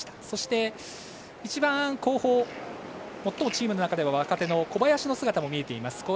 そして、一番後方最もチームの中では若手の小林の姿も見えています。